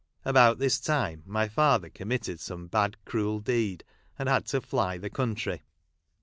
About this time, my father committed some bad cruel deed, and had to fly the country.